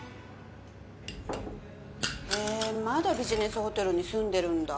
へえまだビジネスホテルに住んでるんだ。